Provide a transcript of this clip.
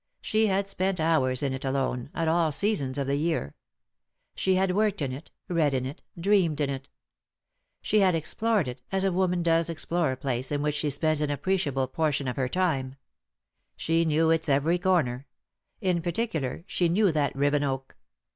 She had spent hours in it alone, at all seasons of the year. She had worked in it, read in it, dreamed in it She had explored it, as a woman does explore a place in which she spends an appreciable portion of her time ; she knew its every comer ; in particular, she knew that riven oak.